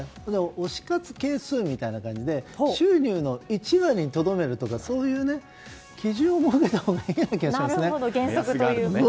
推し活係数みたいな感じで収入の１割にとどめるとか基準を設けたほうがいい気がします。